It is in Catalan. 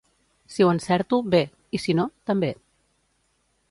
Si ho encerto, bé; i si no, també.